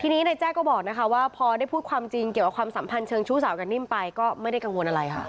ทีนี้นายแจ้ก็บอกนะคะว่าพอได้พูดความจริงเกี่ยวกับความสัมพันธ์เชิงชู้สาวกับนิ่มไปก็ไม่ได้กังวลอะไรค่ะ